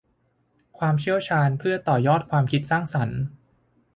ความเชี่ยวชาญเพื่อต่อยอดความคิดสร้างสรรค์